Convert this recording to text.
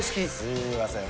すいません。